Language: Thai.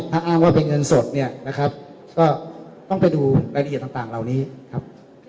ถ้าอ้างว่าเป็นเงินสดเนี่ยนะครับก็ต้องไปดูรายละเอียดต่างเหล่านี้ครับ